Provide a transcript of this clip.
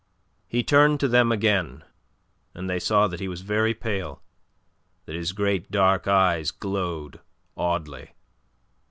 He turned to them again, and they saw that he was very pale, that his great dark eyes glowed oddly.